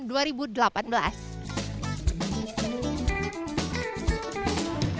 keputusan kebun binatang bandung